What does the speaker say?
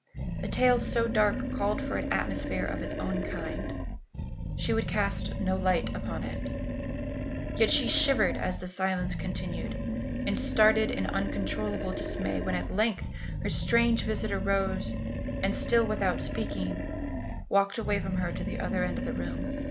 A tale so dark called for an atmosphere of its own kind. She would cast no light upon it. Yet she shivered as the silence continued, and started in uncontrollable dismay when at length her strange visitor rose, and still, without speaking, walked away from her to the other end of the room.